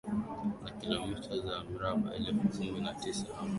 na Kilomita za mraba elfu kumi na tisa mia mbili na nane